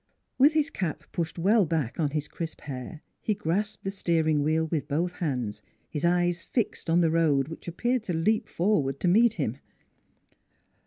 With his cap pushed well back on his crisp hair he grasped the steering wheel with both hands, his eyes fixed on the road which appeared to leap forward to meet him.